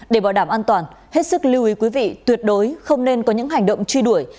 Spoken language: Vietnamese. để bảo đảm an toàn hết sức lưu ý quý vị tuyệt đối không nên có những hành động truy đuổi